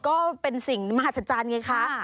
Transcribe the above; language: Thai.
ก็เป็นสิ่งมหัศจรรย์ไงคะ